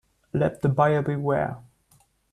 Let the buyer beware.